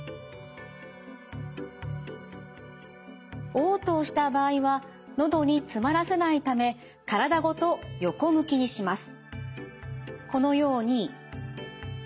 おう吐をした場合は喉に詰まらせないため体ごと横向きにします。